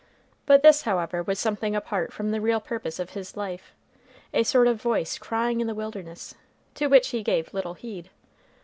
But this, however, was something apart from the real purpose of his life, a sort of voice crying in the wilderness, to which he gave little heed.